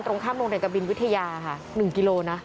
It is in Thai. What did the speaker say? ตรงข้ามโรงเรียนกะบินวิทยาค่ะ๑กิโลนะ